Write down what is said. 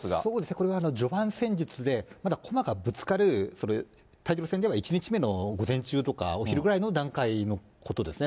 これは序盤戦術で、まだ駒がぶつかるタイトル戦では１日目の午前中ですとか、お昼ぐらいの段階のことですね。